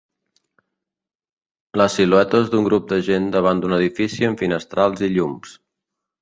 Les siluetes d'un grup de gent davant d'un edifici amb finestrals i llums.